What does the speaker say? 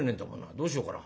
どうしようかな。